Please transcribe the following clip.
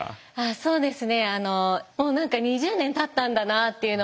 そうですね。